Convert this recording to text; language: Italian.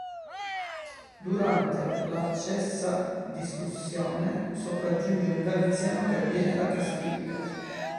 Durante l'accessa discussione, sopraggiunge un galiziano, che viene da Castiglia.